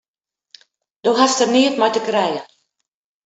Do hast der neat mei te krijen!